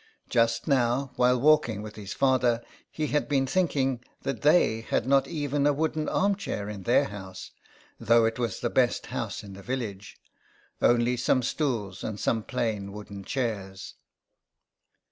Just now, while walking with his father, he had been thinking that they had not 12Z THE EXILE. even a wooden armchair in their house, though it was the best house in the village — only some stools and some plain wooden chairs.